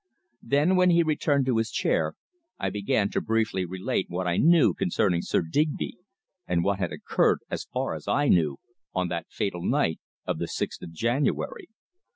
Then, when he returned to his chair, I began to briefly relate what I knew concerning Sir Digby, and what had occurred, as far as I knew, on that fatal night of the sixth of January.